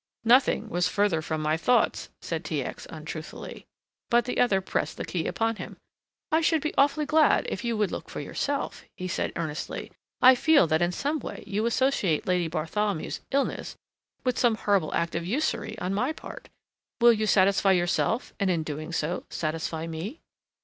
"Nothing was further from my thoughts," said T. X., untruthfully. But the other pressed the key upon him. "I should be awfully glad if you would look for yourself," he said earnestly. "I feel that in some way you associate Lady Bartholomew's illness with some horrible act of usury on my part will you satisfy yourself and in doing so satisfy me?"